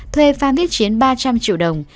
thuê phan viết chiến ba trăm linh triệu đồng